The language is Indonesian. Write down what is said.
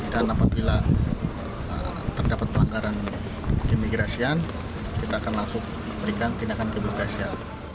dan apabila terdapat pelanggaran keimigrasian kita akan langsung berikan tindakan keimigrasian